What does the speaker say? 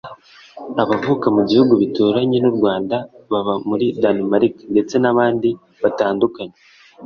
abavuka mu bihugu bituranye n’u Rwanda baba muri Denmark ndetse n’abandi batandukanye